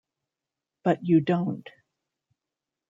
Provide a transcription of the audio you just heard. But you don't.